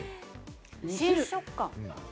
新食感！